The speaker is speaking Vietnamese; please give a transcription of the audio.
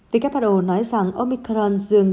vì các bà đồ nói rằng omicron dường